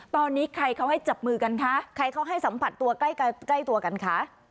ตอนนี้ใครเขาให้จับมือกันคะใครเขาให้สัมผัสตัวใกล้ใกล้ตัวกันคะ